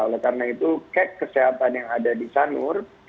oleh karena itu cek kesehatan yang ada di sanur